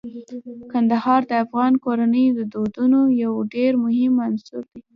کندهار د افغان کورنیو د دودونو یو ډیر مهم عنصر دی.